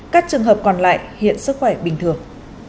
các trường hợp còn lại hiện sức khỏe bình thường